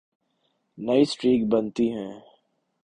نئی سڑکیں بنتی ہیں۔